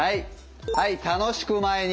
はい楽しく前に。